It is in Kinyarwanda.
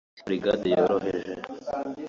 Imbere Burigade Yoroheje